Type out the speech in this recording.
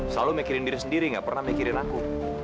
selalu mikirin diri sendiri gak pernah mikirin aku